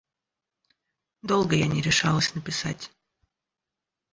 Долго я не решалась написать.